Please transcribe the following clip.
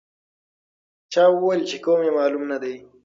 چا وویل چې قوم یې معلوم نه دی.